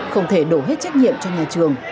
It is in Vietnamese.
không thể đổ hết trách nhiệm cho nhà trường